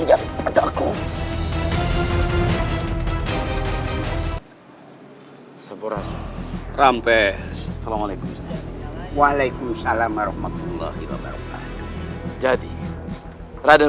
hai seboras rampes salamualaikum waalaikumsalam warahmatullahi wabarakatuh jadi raden